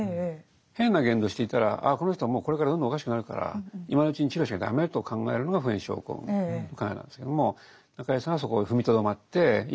変な言動をしていたらこの人はもうこれからどんどんおかしくなるから今のうちに治療しなきゃ駄目と考えるのが普遍症候群の考えなんですけども中井さんはそこを踏みとどまっていや